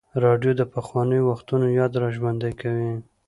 راډیو د پخوانیو وختونو یاد راژوندی کوي.